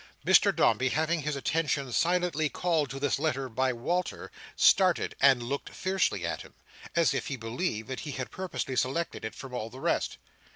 Mr Dombey, having his attention silently called to this letter by Walter, started, and looked fiercely at him, as if he believed that he had purposely selected it from all the rest.